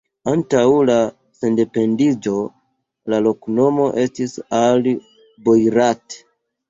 Antaŭ la sendependiĝo la loknomo estis Al-Boirat.